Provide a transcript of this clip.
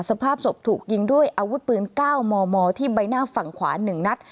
สภาพศพถูกยิงด้วยอาวุธปืน๙มมที่ใบหน้าฝั่งขวา๑นัด